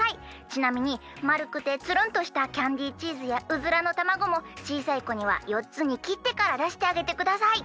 ちなみにまるくてつるんとしたキャンディーチーズやウズラのたまごもちいさいこには４つにきってからだしてあげてください。